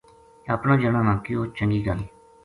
اپنا جنا نا کہیو ” چنگی گل